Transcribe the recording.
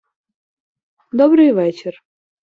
Добрий вечір!